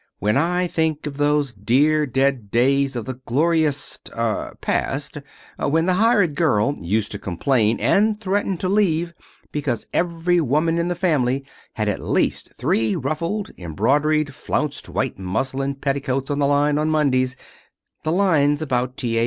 When I think of those dear dead days of the glorious er past, when the hired girl used to complain and threaten to leave because every woman in the family had at least three ruffled, embroidery flounced white muslin petticoats on the line on Mondays " The lines about T. A.